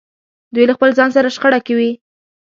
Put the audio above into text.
دوی له خپل ځان سره شخړه کې وي.